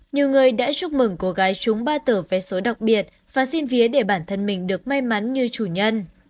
nhiều người đã chúc mừng cô gái chúng ba tờ vé số đặc biệt và xin vía để bản thân mình được may mắn như chủ nhân